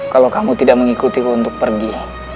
kalau kamu tidak mengikuti ku untuk pergi